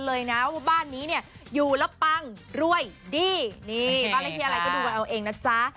นี่แสดงว่าบ้านนี้แหละก็ดูกับเอาเองนะค่ะ